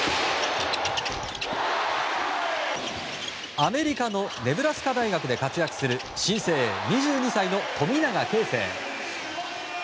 アメリカのネブラスカ大学で活躍する新星２２歳の富永啓生。